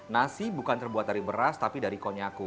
nasi bukan terbuat dari beras tapi dari konyaku